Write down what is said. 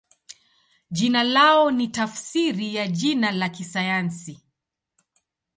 Jina lao ni tafsiri ya jina la kisayansi.